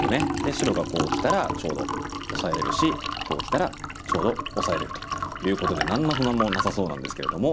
白がこうきたらちょうどオサえれるしこうきたらちょうどオサえれるということで何の不満もなさそうなんですけれども。